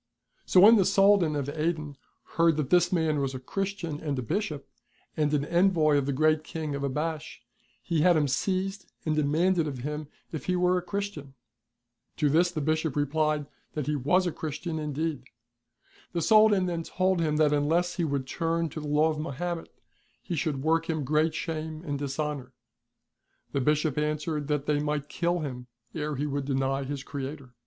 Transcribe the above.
So when the Soldan of Aden heard that this man was a Christian and a Bishop, and an envoy of the Great King of Abash, he had him seized and demanded of him if he were a Christian ? To this the Bishop replied that he was a Christian indeed. The Soldan then told him that unless he would turn to the Law of Mahommet he should work him great shame and dishonour. The Bishop answered that they might kill him ere he woukl deny his Creator.